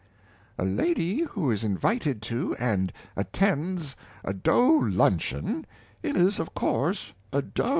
A lady who is invited to and attends a doe luncheon is, of course, a doe.